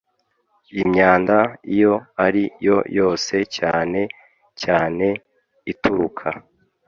imyanda iyo ari yo yose cyane cyane ituruka